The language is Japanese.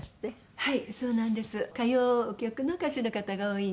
はい。